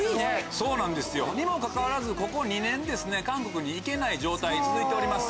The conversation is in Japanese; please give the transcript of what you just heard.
そうなんですよにもかかわらずここ２年ですね韓国に行けない状態続いております。